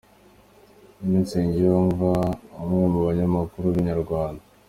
Emmy Nsengiyumva umwe mu banyamakuru ba Inyarwanda.